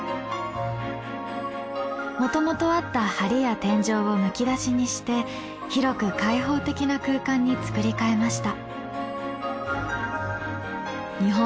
もともとあった梁や天井をむき出しにして広く開放的な空間に作り変えました。